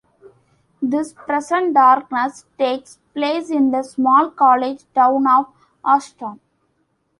"This Present Darkness" takes place in the small college town of Ashton.